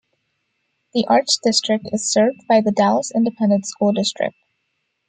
The Arts District is served by the Dallas Independent School District.